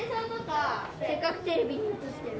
せっかくテレビに映してる。